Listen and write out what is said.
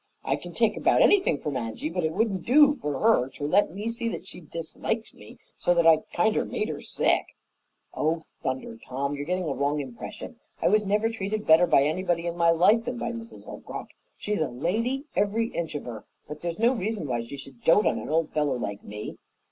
I can take about anything from Angy, but it wouldn't do for her to let me see that she disliked me so that I kinder made her sick." "Oh, thunder, Tom! You're getting a wrong impression. I was never treated better by anybody in my life than by Mrs. Holcroft. She's a lady, every inch of her. But there's no reason why she should dote on an old fellow like me."